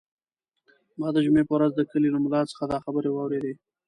ما د جمعې په ورځ د کلي له ملا څخه دا خبرې واورېدې.